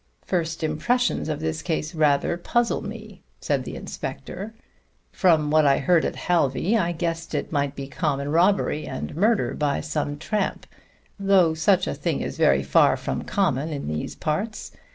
"First impressions of this case rather puzzle me," said the inspector. "From what I heard at Halvey I guessed it might be common robbery and murder by some tramp, though such a thing is very far from common in these parts.